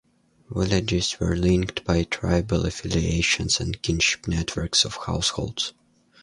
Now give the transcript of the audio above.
Villages were linked by tribal affiliations and kinship networks of households.